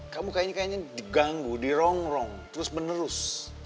kamu kayaknya diganggu dirongrong terus menerus